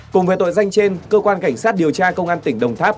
cùng với tội danh trên cơ quan cảnh sát điều tra công an tỉnh đồng tháp